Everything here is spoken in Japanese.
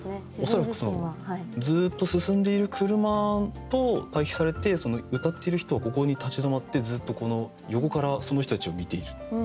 恐らくそのずっと進んでいる車と対比されてうたっている人はここに立ち止まってずっとこの横からその人たちを見ている。